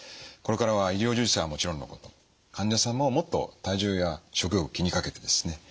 これからは医療従事者はもちろんのこと患者さんももっと体重や食欲を気にかけてですね